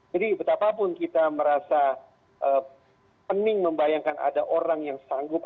jadi betapapun kita merasa pening membayangkan ada orang yang sanggup